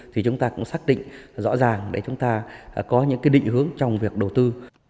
thì chúng ta cũng xác định rõ ràng để chúng ta có những định hướng trong việc đầu tư